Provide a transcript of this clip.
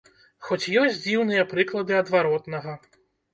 Хоць ёсць дзіўныя прыклады адваротнага.